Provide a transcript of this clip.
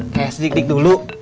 kayak sedik sedik dulu